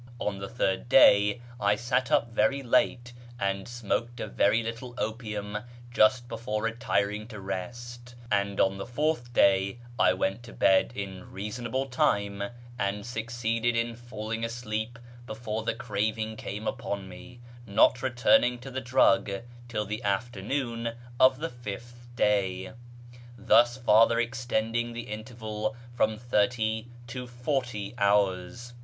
On the third day I sat up very late and smoked a very little opium just before retiring to rest. And on the fourth day I went to bed in reasonable time, and succeeded iu falling asleep before the craving came upon me, not returning to the drug till the afternoon of the fifth day, thus farther extending the interval from thirty to forty hours.